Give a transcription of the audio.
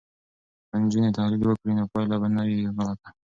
که نجونې تحلیل وکړي نو پایله به نه وي غلطه.